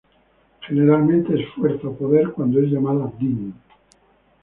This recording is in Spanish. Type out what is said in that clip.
Generalmente es fuerza o poder cuando es llamada "Din".